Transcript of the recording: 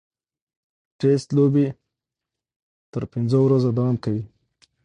ټېسټ لوبې تر پنځو ورځو دوام کوي.